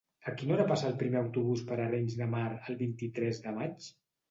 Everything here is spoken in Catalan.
A quina hora passa el primer autobús per Arenys de Mar el vint-i-tres de maig?